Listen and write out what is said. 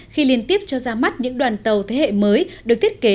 khi liên tiếp cho ra mắt những đoàn tàu thế hệ mới được thiết kế